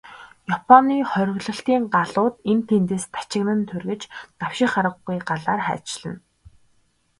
Японы хориглолтын галууд энд тэндээс тачигнан тургиж, давших аргагүй галаар хайчилна.